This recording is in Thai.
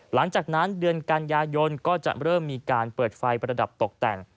หลังจากนั้นเดือนกันยายนก็จะเริ่มมีการเปิดไฟประดับตกแต่ง